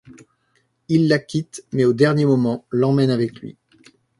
Il la quitte mais au dernier moment, l'emmène avec lui.